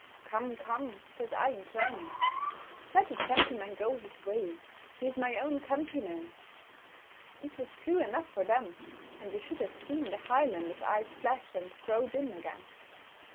"Come, come," says I in German, "let the gentleman go his way; he is my own countryman." This was true enough for them; and you should have seen the Highlander's eyes flash, and grow dim again.